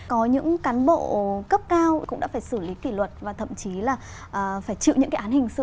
có những cán bộ cấp cao cũng đã phải xử lý kỷ luật và thậm chí là phải chịu những cái án hình sự